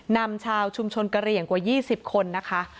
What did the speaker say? นำชาวชุมชนเกรียงกว่า๒๐คนนะคะ